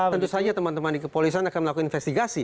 tentu saja teman teman di kepolisian akan melakukan investigasi